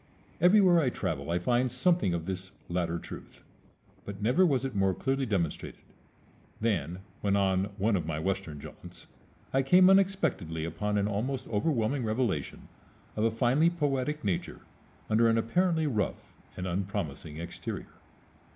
Everywhere I travel I find something of this latter truth; but never was it more clearly demonstrated than when on one of my Western jaunts I came unexpectedly upon an almost overwhelming revelation of a finely poetic nature under an apparently rough and unpromising exterior.